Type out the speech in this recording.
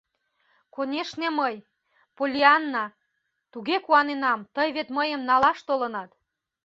— Конешне, мый — Поллианна, туге куаненам, тый вет мыйым налаш толынат!